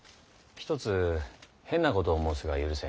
一つ変なことを申すが許せ。